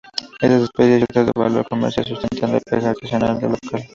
Esas especies y otras de valor comercial sustentan la pesca artesanal local.